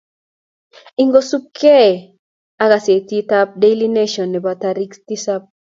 eng kosub kee ak kasetit anb daily nation nebo tarik tisap